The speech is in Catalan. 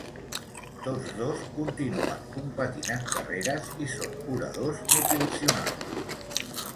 Tots dos continuen competint en carreres i són oradors motivacionals.